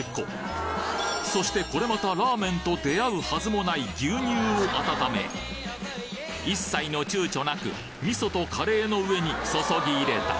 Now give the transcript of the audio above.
そしてこれまたラーメンと出合うはずもない牛乳を温め一切の躊躇なく味噌とカレーの上に注ぎ入れた